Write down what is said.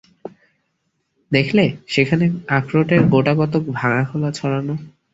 দেখলে, সেখানে আখরোটের গোটাকতক ভাঙা খোলা ছড়ানো।